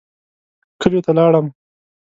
کلیو ته لاړم.